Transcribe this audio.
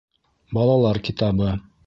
Балалар китабы